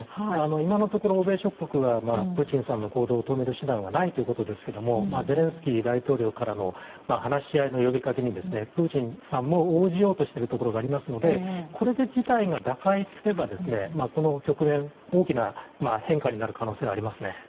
今のところ欧米諸国はプーチンさんを止める手段はないということですがゼレンスキー大統領からの話し合いの呼びかけにプーチンさんも応じようとしてるところがありますのでこれで事態が打開すればこの局面の大きな変化になる可能性はありますね。